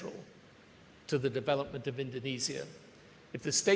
adalah di dalam perusahaan negara